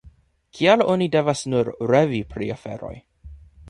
Kial oni devas nur revi pri aferoj?